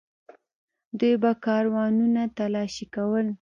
دوی به کاروانونه تالاشي کول.